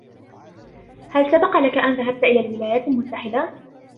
هل سبق لك أن ذهبت إلى الولايات المتحدة ؟